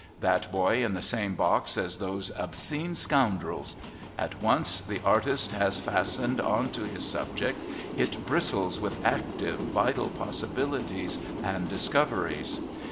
That boy in the same box as those obscene scoundrels! At once the artist has fastened on to his subject, it bristles with active, vital possibilities and discoveries.